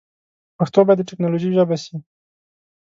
پښتو باید د ټیکنالوژي ژبه سی.